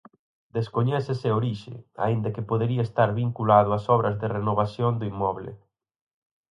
Descoñécese a orixe, aínda que podería estar vinculado ás obras de renovación do inmoble.